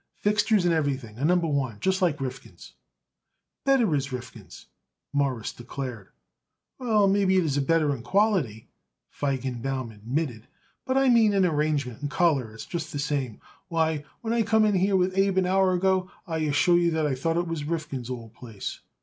"Fixtures and everything A Number One, just like Rifkin's." "Better as Rifkin's," Morris declared. "Well, maybe it is better in quality," Feigenbaum admitted; "but, I mean, in arrangement and color it is just the same. Why, when I come in here with Abe, an hour ago, I assure you I thought I was in Rifkin's old place.